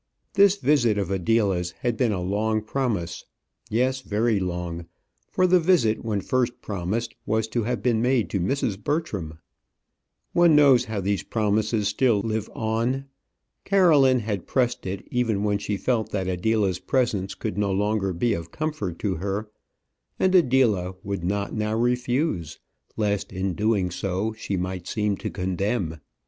This visit of Adela's had been a long promise yes, very long; for the visit, when first promised, was to have been made to Mrs. Bertram. One knows how these promises still live on. Caroline had pressed it even when she felt that Adela's presence could no longer be of comfort to her; and Adela would not now refuse, lest in doing so she might seem to condemn.